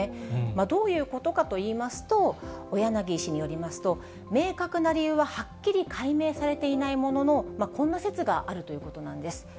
どういうことかといいますと、小柳医師によりますと、明確な理由ははっきり解明されていないものの、こんな説があるということなんです。